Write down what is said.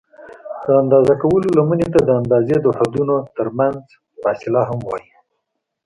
د اندازه کولو لمنې ته د اندازې د حدونو ترمنځ فاصله هم وایي.